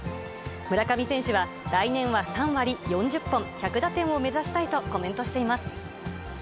村上選手は、来年は３割、４０本、１００打点を目指したいとコメントしています。